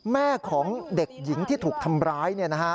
แม่ของเด็กหญิงที่ถูกทำร้าย